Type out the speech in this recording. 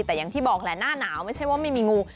แต่อย่างที่บอกแหละหน้าหนาวไม่ใช่ว่าไม่มีงู